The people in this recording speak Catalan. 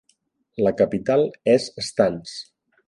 La capital és Stans.